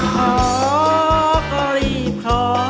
ขอก็รีบขอ